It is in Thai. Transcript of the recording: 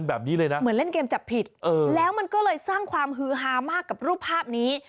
แบบนี้เลยนะเหมือนเล่นเกมจับผิดแล้วมันก็เลยสร้างความฮือฮามากกับรูปภาพนี้